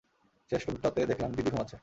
শেষ রুমটাতে দেখলাম দিদি ঘুমাচ্ছে।